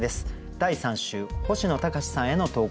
第３週星野高士さんへの投稿。